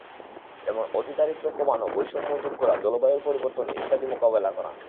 যেমন অতিদারিদ্র্য কমানো, বৈষম্য দূর করা, জলবায়ুর পরিবর্তন মোকাবিলা করা ইত্যাদি।